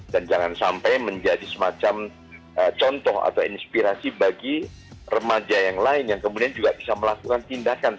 dan jangan sampai menjadi semacam contoh atau inspirasi bagi remaja yang lain yang kemudian juga bisa melakukan tindakan